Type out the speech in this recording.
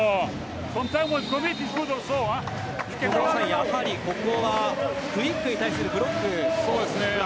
やはりここはクイックに対するブロック。